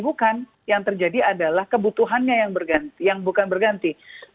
bukan yang terjadi adalah kebutuhannya yang bukan berganti